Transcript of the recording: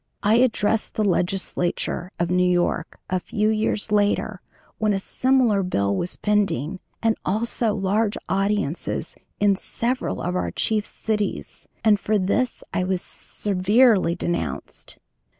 I addressed the Legislature of New York a few years later when a similar bill was pending, and also large audiences in several of our chief cities, and for this I was severely denounced.